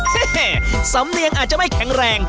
แม่สำเนียงอาจจะไม่แข็งแรง